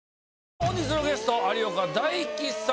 本日のゲスト有岡大貴さん